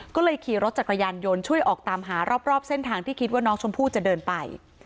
ก็เลยขี่รถจักรยานยนต์ช่วยออกตามหารอบเส้นทางที่คิดว่าน้องชมพู่จะเดินไป